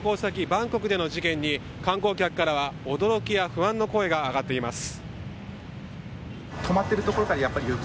バンコクでの事件に観光客からは驚きや不安の声が上がっています。